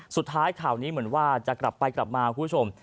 ข่าวนี้เหมือนว่าจะกลับไปกลับมาคุณผู้ชม